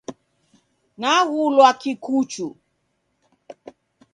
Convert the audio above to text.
Naghulwa Kikuchu.